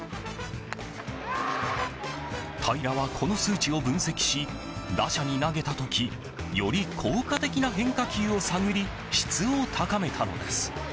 平良は、この数値を分析し打者に投げた時より効果的な変化球を探り質を高めたのです。